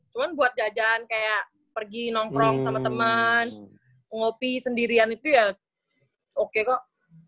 cuma buat jajan kayak pergi nongkrong sama ngopi sendirian itu ya oke kok